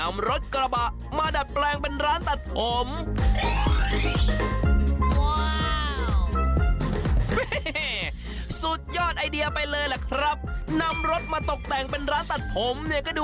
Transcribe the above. มาตัดแปลงเป็นร้านตัดผม